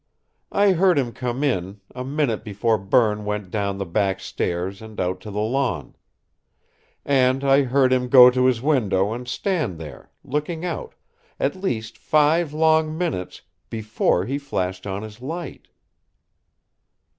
I heard him come in, a minute before Berne went down the back stairs and out to the lawn. And I heard him go to his window and stand there, looking out, at least five long minutes before he flashed on his light."